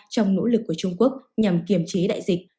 trong nỗ lực của trung quốc nhằm kiểm trí đại dịch